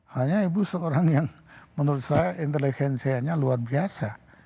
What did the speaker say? hanya ibu seorang yang menurut saya intelijensianya luar biasa